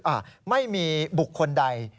อ่ะไม่มีบุคคลใด